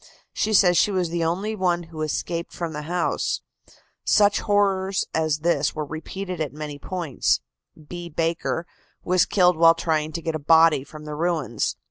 She says she was the only one who escaped from the house. Such horrors as this were repeated at many points. B. Baker was killed while trying to get a body from the ruins.